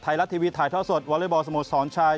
ไทยรัฐทีวีถ่ายท่อสดวอเล็กบอลสโมสรชาย